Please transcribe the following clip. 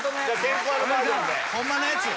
ホンマのやつ。